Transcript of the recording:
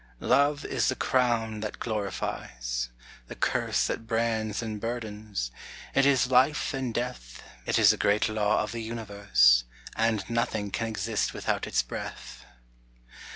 Love is the crown that glorifies; the curse That brands and burdens; it is life and death It is the great law of the universe; And nothing can exist without its breath.